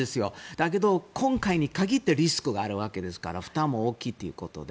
だけど、今回に限ってリスクがあるわけですから負担も大きいということで。